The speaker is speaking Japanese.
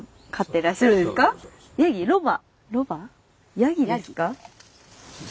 ヤギですか？